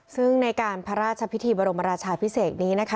ซึ่งในการพระราชพิธีบรมราชาพิเศษนี้นะคะ